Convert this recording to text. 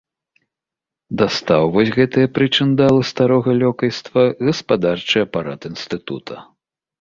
Дастаў вось гэтыя прычындалы старога лёкайства гаспадарчы апарат інстытута.